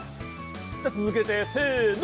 じゃ続けてせの。